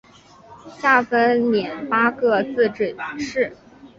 下分廿八个自治市。